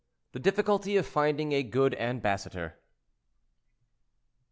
THE DIFFICULTY OF FINDING A GOOD AMBASSADOR.